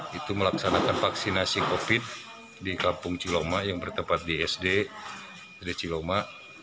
dan melaksanakan vaksinasi covid sembilan belas di kampung ciloma yang bertempat di sd ciloma